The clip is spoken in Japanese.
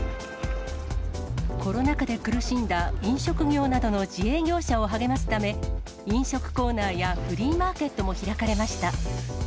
コロナ禍で苦しんだ飲食業などの自営業者を励ますため、飲食コーナーやフリーマーケットも開かれました。